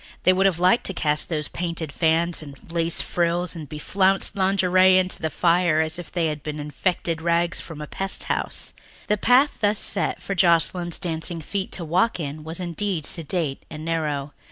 They would have liked to cast those painted fans and lace frills and beflounced lingerie into the fire as if they had been infected rags from a pest house. The path thus set for Joscelyn's dancing feet to walk in was indeed sedate and narrow.